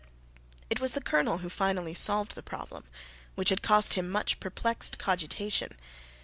It was the Colonel who finally solved the problem, which had cost him much perplexed cogitation.